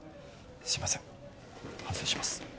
すいません反省します